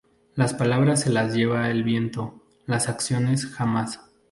Las palabras se las lleva el viento; las acciones, jamás.